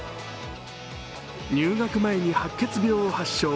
入学前に白血病を発症。